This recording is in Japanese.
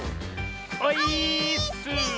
オイーッス！